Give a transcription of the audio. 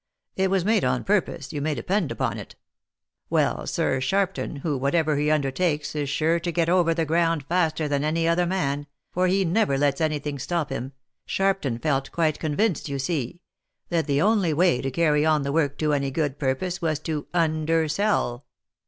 It was made on purpose, you may depend upon it. Well, sir, Sharpton, who whatever he undertakes is sure to get over the ground faster than any other man, for he never lets any thing stop him, Sharpton felt quite convinced, you see, that the only way to carry on the work to any good purpose was to undersell.